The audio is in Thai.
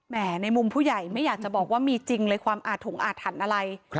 ในมุมผู้ใหญ่ไม่อยากจะบอกว่ามีจริงเลยความอาถงอาถรรพ์อะไร